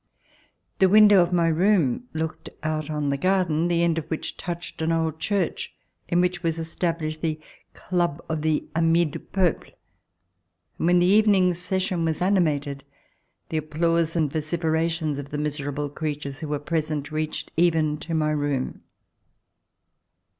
The window of my room looked out on the garden, the end of which touched an old church in which was established the Club of the Amis du peuple, and when the evening session was animated, the applause and vociferations of the miserable crea tures who were present reaehed even to my room.